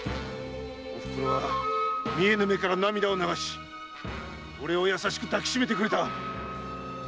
おふくろは見えぬ目から涙を流し俺を優しく抱きしめてくれた！